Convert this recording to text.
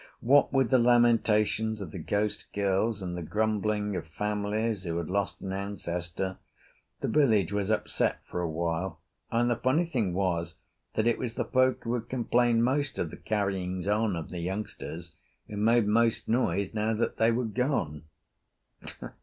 What with the lamentations of the ghost girls and the grumbling of families who had lost an ancestor, the village was upset for a while, and the funny thing was that it was the folk who had complained most of the carryings on of the youngsters, who made most noise now that they were gone.